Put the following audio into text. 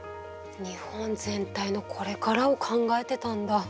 日本全体のこれからを考えてたんだ。